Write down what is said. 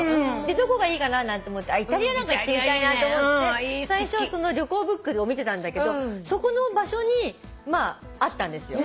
どこがいいかななんて思ってイタリアなんか行ってみたいなと思って最初旅行ブックを見てたんだけどそこの場所にあったんですよ。